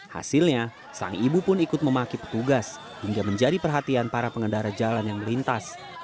hasilnya sang ibu pun ikut memaki petugas hingga menjadi perhatian para pengendara jalan yang melintas